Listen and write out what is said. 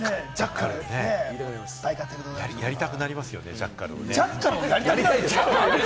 やりたくなりますよね、ジャッカルを。